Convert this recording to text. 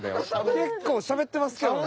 結構しゃべってますけどね。